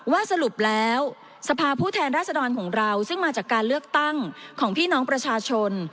สรุปแล้วสภาพผู้แทนรัศดรของเราซึ่งมาจากการเลือกตั้งของพี่น้องประชาชน